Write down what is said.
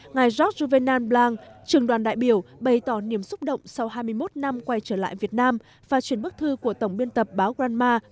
ngài george juvenal blanc trưởng đoàn đại biểu bày tỏ niềm xúc động sau hai mươi một năm quay trở lại việt nam và truyền bức thư của tổng biên tập báo granma